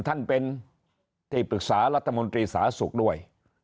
ท่านเป็นที่ปรึกษารัฐมนตรีสาธารณสุขด้วย